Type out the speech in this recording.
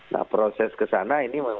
nah proses ke sana ini membutuhkan